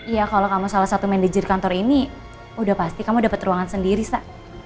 iya kalau kamu salah satu manajer kantor ini udah pasti kamu dapat ruangan sendiri sa